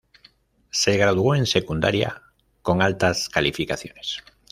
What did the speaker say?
Se graduó en secundaria con altas calificaciones.